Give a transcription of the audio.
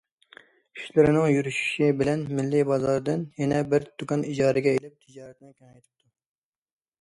ئىشلىرىنىڭ يۈرۈشۈشى بىلەن مىللىي بازاردىن يەنە بىر دۇكان ئىجارىگە ئېلىپ، تىجارىتىنى كېڭەيتىپتۇ.